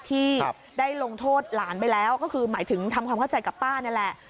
ที่ได้ลงโทษหลานไปแล้วก็คือหมายถึงทำความเข้าใจกับป้านี่แหละ